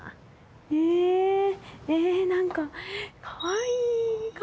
ええ何かかわいい。